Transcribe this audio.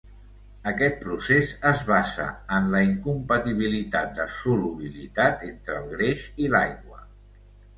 Aquest procés es basa en la incompatibilitat de solubilitat entre el greix i l'aigua.